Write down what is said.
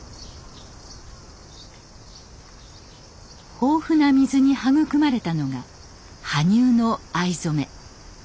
豊富な水に育まれたのが羽生の藍染め。